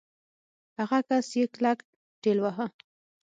هغه کس يې کلک ټېلوهه.